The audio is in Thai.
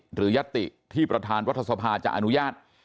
หรือยัตติที่ประธานวัฒนศาสภาจะอนุญาต